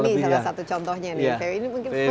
nah ini salah satu contohnya nih vw beetle